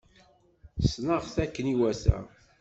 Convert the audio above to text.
Sneɣ-t akken iwata.